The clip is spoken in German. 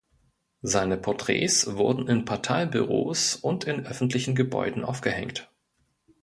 Seine Porträts wurden in Parteibüros und in öffentlichen Gebäuden aufgehängt.